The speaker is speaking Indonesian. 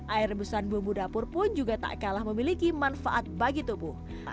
air rebusan bumbu dapur pun juga tak kalah memiliki manfaat bagi tubuh